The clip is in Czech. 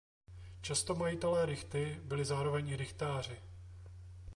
Často majitelé rychty byli zároveň i rychtáři.